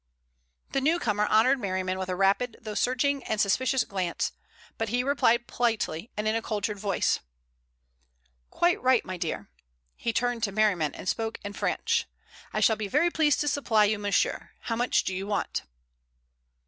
The newcomer honored Merriman with a rapid though searching and suspicious glance, but he replied politely, and in a cultured voice: "Quite right, my dear." He turned to Merriman and spoke in French. "I shall be very pleased to supply you, monsieur. How much do you want?"